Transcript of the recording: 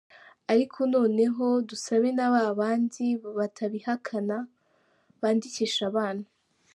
Ariko noneho dusabe na ba bandi batabihakana bandikishe abana.